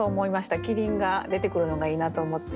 「キリン」が出てくるのがいいなと思って。